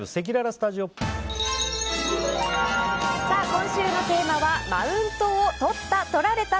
今週のテーマはマウントをとられた！